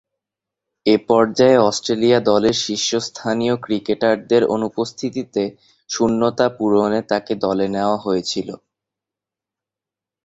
এ পর্যায়ে অস্ট্রেলিয়া দলের শীর্ষস্থানীয় ক্রিকেটারদের অনুপস্থিতিতে শূন্যতা পূরণে তাকে দলে নেয়া হয়েছিল।